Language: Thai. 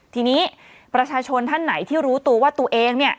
ทีนี้ประชาชนท่านไหนที่รู้ตัวว่าตัวเองเนี่ย